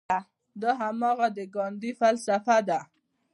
دا هماغه د ګاندي فلسفه ده.